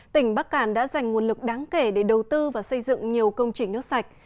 tỉnh bắc cản đã dành nguồn lực đáng kể để đầu tư và xây dựng nhiều công trình nước sạch